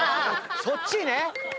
そっちね。